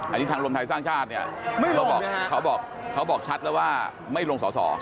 อันนี้ทางรวมไทยสร้างชาติเนี่ยเขาบอกเขาบอกชัดแล้วว่าไม่ลงสอสอ